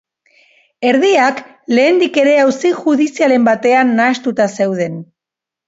Erdiak lehendik ere auzi judizialen batean nahastuta zeuden.